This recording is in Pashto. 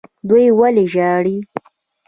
دوی ولې ژاړي.